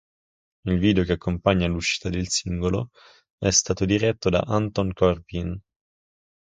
Il video che accompagna l'uscita del singolo, è stato diretto da Anton Corbijn.